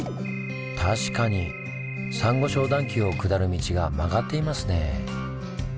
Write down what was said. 確かにサンゴ礁段丘を下る道が曲がっていますねぇ。